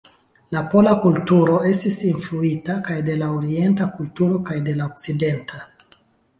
La pola kulturo estis influita kaj de la orienta kulturo kaj de la okcidenta.